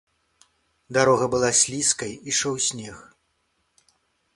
Дарога была слізкай, ішоў снег.